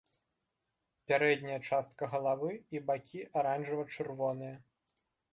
Пярэдняя частка галавы і бакі аранжава-чырвоныя.